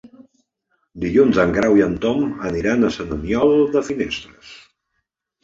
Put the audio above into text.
Dilluns en Grau i en Tom aniran a Sant Aniol de Finestres.